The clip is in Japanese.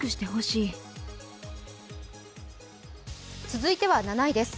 続いては７位です。